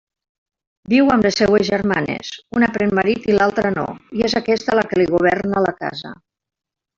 Viu amb les seues germanes, una pren marit i l'altra no; i és aquesta la qui li governa la casa.